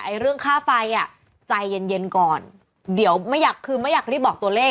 เรื่องค่าไฟอ่ะใจเย็นเย็นก่อนเดี๋ยวไม่อยากคือไม่อยากรีบบอกตัวเลข